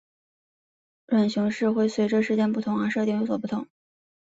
浣熊市会随时间不同而设定有所不同。